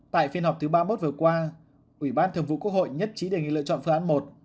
tại phiên họp thứ ba mươi một vừa qua ủy ban thường vụ quốc hội nhất trí đề nghị lựa chọn phương án một